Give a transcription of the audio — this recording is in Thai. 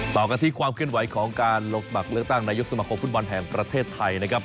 ต่อกันที่ความเคลื่อนไหวของการลงสมัครเลือกตั้งนายกสมคมฟุตบอลแห่งประเทศไทยนะครับ